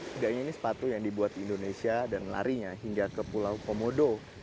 setidaknya ini sepatu yang dibuat di indonesia dan larinya hingga ke pulau komodo